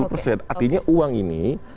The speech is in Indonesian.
artinya uang ini